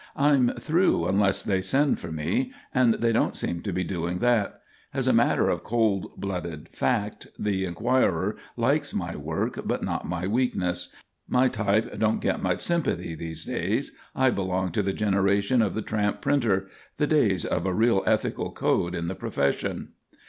I'm through unless they send for me, and they don't seem to be doing that. As a matter of cold blooded fact, the Enquirer likes my work but not my weakness. My type don't get much sympathy these times. I belong to the generation of the tramp printer; the days of a real ethical code in the profession.